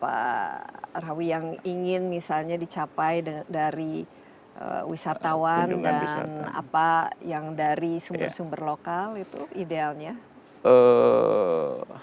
pak rawi yang ingin misalnya dicapai dari wisatawan dan apa yang dari sumber sumber lokal itu idealnya